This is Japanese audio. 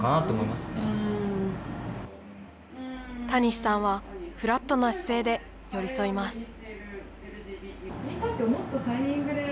たにしさんは、フラットな姿勢で寄り添います。